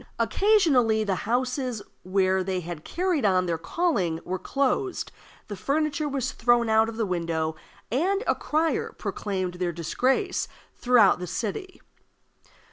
Occasionally, the houses where they had carried on their calling were closed, the furniture was thrown out of the window, and a crier proclaimed their disgrace throughout the city.